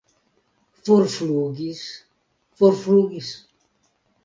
Forflugis, forflugis!